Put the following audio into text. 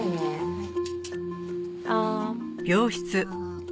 はい。